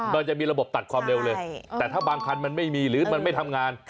มันจะมีระบบตัดความเร็วเลยแต่ถ้าบางคันมันไม่มีหรือมันไม่ทำงาน